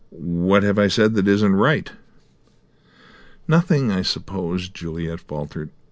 "What have I said that isn't right?" "Nothing, I suppose," Juliet faltered.